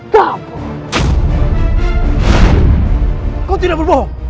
kau tidak berbohong